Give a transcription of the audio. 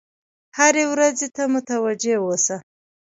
هرې ورځې ته متوجه اوسه.